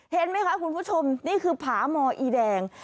เห็นไหมคะคุณผู้ชมนี่คือผาหมออีแดง